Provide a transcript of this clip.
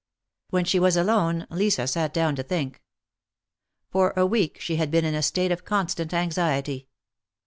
When she was alone, Lisa sat down to think. For a week she had been in a state of constant anxiety.